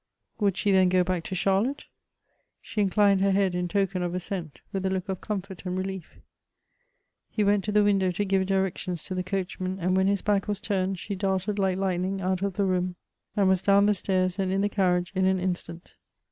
Would she then go back to Charlotte ? She inclined her head in token of assent, with a look of com fort and relief. He went to the window to give direc tions to the coachman, and when his back was turned she darted like lightning out of the room, and was down the stairs and in the carriage in an instant.